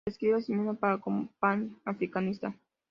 Se describe a sí misma como pan-africanista.